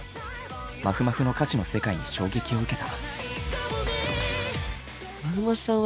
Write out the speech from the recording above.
まふまふの歌詞の世界に衝撃を受けた。